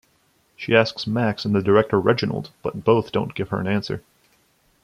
She asks Max and the director Reginald, but both don't give her an answer.